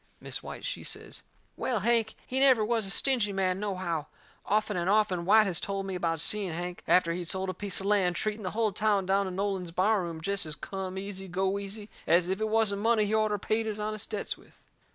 Mis' White, she says: "Well, Hank he never was a stingy man, nohow. Often and often White has told me about seeing Hank, after he'd sold a piece of land, treating the hull town down in Nolan's bar room jest as come easy, go easy as if it wasn't money he orter paid his honest debts with."